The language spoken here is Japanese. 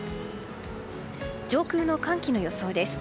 上空の寒気の予想です。